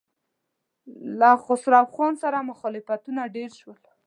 له خسرو خان سره مخالفتونه ډېر شول.